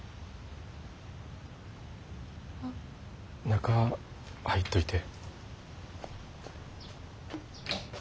中入っといて。